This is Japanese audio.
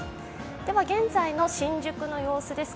では現在の新宿の様子です。